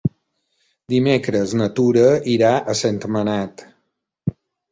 Dimecres na Tura irà a Sentmenat.